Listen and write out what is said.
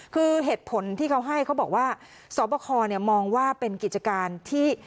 คือเหตุผลที่เขาให้เขาบอกว่าสอบคอมองว่าเป็นกิจการที่